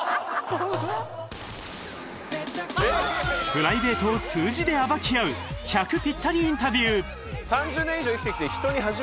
プライベートを数字で暴き合う１００ピッタリインタビュー